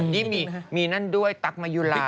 นี่มีนั่นด้วยตั๊กมายุลา